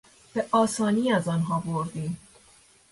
به آسانی از آنها بردیم.